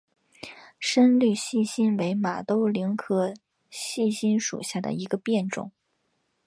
深绿细辛为马兜铃科细辛属下的一个变种。